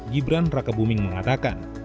gibran rakebuming mengatakan